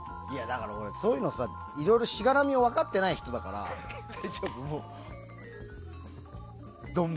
そういうのさ、いろいろしがらみを分かっていない人だからさ。